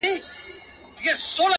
ومي د سترګو نګهبان لکه باڼه ملګري,